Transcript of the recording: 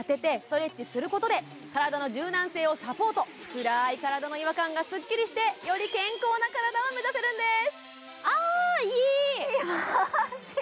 つらい体の違和感がスッキリして、より健康な体を目指せるんです。